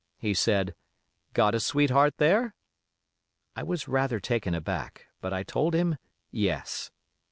He said, 'Got a sweetheart there?' I was rather taken aback; but I told him, 'Yes.